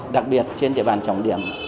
đặc biệt trên địa bàn trọng điểm